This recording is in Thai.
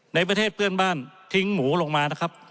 ในประเทศเพื่อนบ้านทิ้งหมูลงมานะครับ